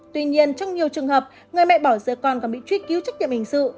tuy nhiên trong nhiều trường hợp người mẹ bỏ rơi con còn bị truy cứu trách nhiệm hình sự